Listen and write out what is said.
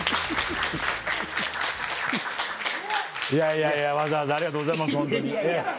いやいやいやわざわざありがとうございますホントにね。